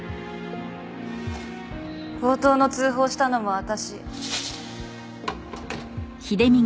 強盗の通報したのも私。